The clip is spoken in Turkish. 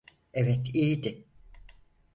Evet, iyiydi.